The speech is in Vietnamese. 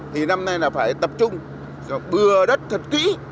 thì năm nay là phải tập trung bưa đất thật kỹ